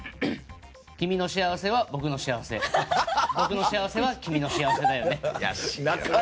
君の幸せは僕の幸せ僕の幸せは君の幸せだよね。